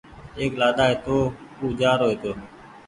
ايڪ لآڏآ هيتو او جآرو هيتو